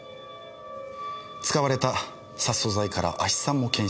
使われた殺鼠剤から亜ヒ酸も検出されました。